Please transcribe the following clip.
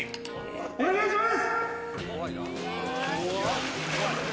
お願いします。